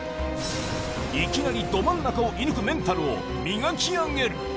いきなりど真ん中を射ぬくメンタルを磨き上げる。